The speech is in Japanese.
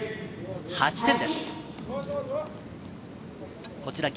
８点です。